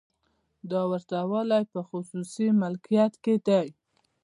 دا ورته والی په خصوصي مالکیت کې دی.